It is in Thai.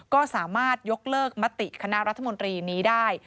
ก็สามารถยกเลิกมติคณะรัฐมนตรีนี้ได้